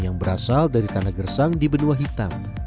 yang berasal dari tanah gersang di benua hitam